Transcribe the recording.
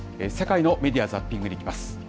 世界のメディア・ザッピングにいきます。